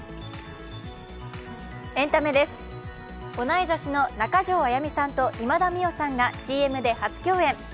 同い年の中条あやみさんと今田美桜さんがＣＭで初共演。